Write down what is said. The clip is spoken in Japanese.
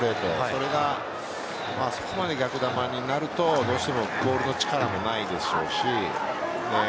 それがあそこまで逆球になるとどうしてもボールの力もないでしょうし。